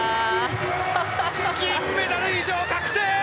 銀メダル以上確定！